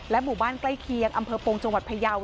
หมู่บ้านใกล้เคียงอำเภอปงจังหวัดพยาว